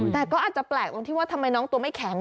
แต่ก็อาจจะแปลกตรงที่ว่าทำไมน้องตัวไม่แข็ง